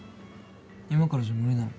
今からじゃ無理なの？